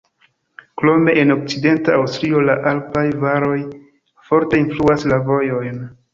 Krome en okcidenta Aŭstrio la alpaj valoj forte influas la vojojn.